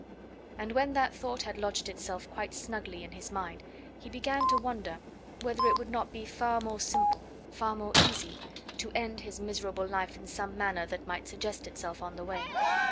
And when that thought had lodged itself quite snugly in his mind he began to wonder whether it would not be far more simple, far more easy, to end his miserable life in some manner that might suggest itself on the way.